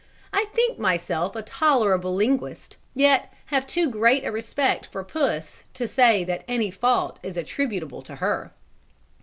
I think myself a tolerable linguist, yet have too great a respect for puss to say that any fault is attributable to her.